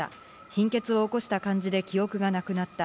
貧血を起こした感じで記憶がなくなった。